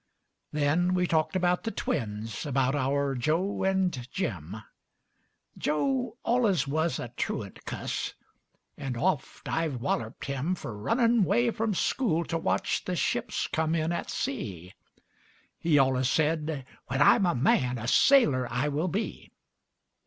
And then we talked about the twins, About our Joe and Jim. Joe allus wuz a truant cuss, And oft I've wallerp'd him Fer runnin' 'way from skule to watch The ships cum in at sea. He allus said, "When I'm a man, A sailor I will be."